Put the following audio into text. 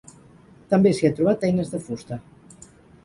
També s'hi ha trobat eines de fusta.